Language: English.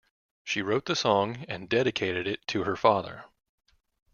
She wrote the song and dedicated it to her father.